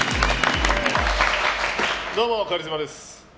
どうも、カリスマです。